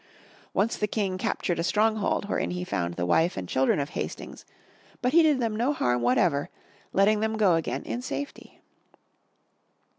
Once the King captured a stronghold wherein he found the wife and children of Hastings, but he did them no harm what ever, letting them go again in safety.